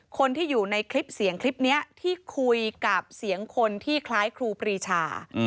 คนที่อยู่ในคลิปเสียงคลิปนี้ที่คุยกับเสียงคนที่คล้ายครูปรีชา